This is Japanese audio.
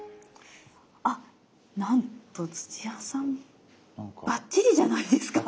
あっなんと土屋さんばっちりじゃないですか。